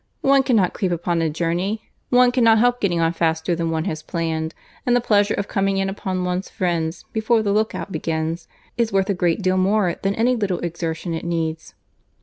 One cannot creep upon a journey; one cannot help getting on faster than one has planned; and the pleasure of coming in upon one's friends before the look out begins, is worth a great deal more than any little exertion it needs."